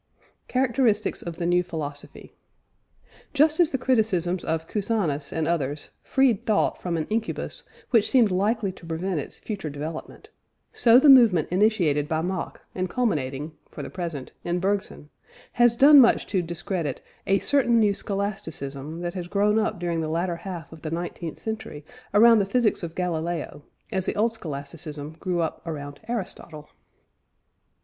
CHARACTERISTICS OF THE NEW PHILOSOPHY. Just as the criticisms of Cusanus and others freed thought from an incubus which seemed likely to prevent its further development, so the movement initiated by Mach and culminating (for the present) in Bergson, has done much to discredit "a certain new scholasticism that has grown up during the latter half of the nineteenth century around the physics of Galileo, as the old scholasticism grew up around Aristotle."